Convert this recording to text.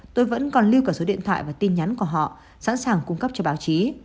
tôi vẫn còn lưu cả số điện thoại và tin nhắn của họ sẵn sàng cung cấp cho báo chí